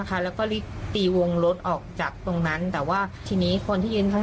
แต่แจ้งแตกแหทมมีภาวะที่ไม่เห็น